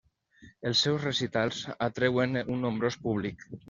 Els seus recitals atreuen un nombrós públic.